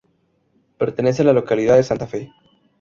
Pertenece a la localidad de Santa Fe.